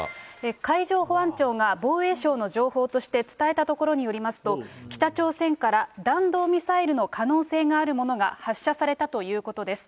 海上保安庁が防衛省の情報として伝えたところによりますと、北朝鮮から弾道ミサイルの可能性があるものが発射されたということです。